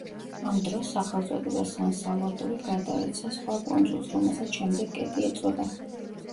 ამ დროს სახელწოდება „სან-სალვადორი“ გადაეცა სხვა კუნძულს, რომელსაც შემდეგ კეტი ეწოდა.